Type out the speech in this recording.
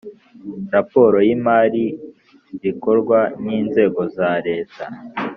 raporo y imari rikorwa n inzego za Leta